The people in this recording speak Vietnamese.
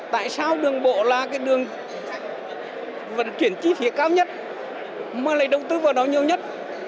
tại sao đường bộ là cái đường vận chuyển chi phí cao nhất mà lại đầu tư vào đó nhiều nhất